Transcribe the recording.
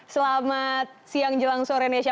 selamat siang jelang sore nesha